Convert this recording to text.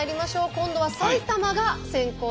今度は埼玉が先攻です。